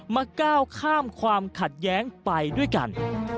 ก้าวข้ามความขัดแย้งไปด้วยกัน